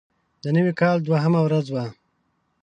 د نوي کال دوهمه ورځ وه.